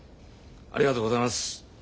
ありがとうございます。